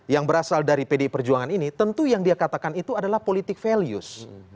yang berasal dari pdi perjuangan ini tentu yang dia katakan itu adalah politik values